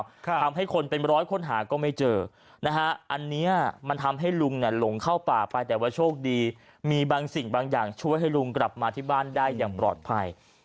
ทำให้คนเป็นร้อยคนหาก็ไม่เจอนะฮะอันเนี้ยมันทำให้ลุงเนี่ยหลงเข้าป่าไปแต่ว่าโชคดีมีบางสิ่งบางอย่างช่วยให้ลุงกลับมาที่บ้านได้อย่างปลอดภัย